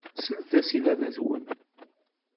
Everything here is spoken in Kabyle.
Slet-as i baba-twen.